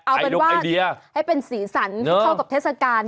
เอาเป็นว่าให้เป็นสีสันให้เข้ากับเทศกาล